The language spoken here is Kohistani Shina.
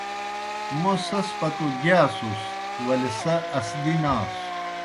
موْ سیْس پتو گِیاسُس ولے سہ اسدی ناسوْ۔